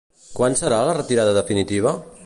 Quan serà la retirada definitiva?